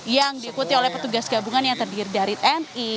yang diikuti oleh petugas gabungan yang terdiri dari tni